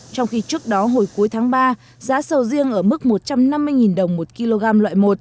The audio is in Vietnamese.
trong khi trước đó hồi cuối tháng ba giá sầu riêng ở mức một trăm năm mươi đồng một kg loại một